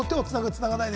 つながない？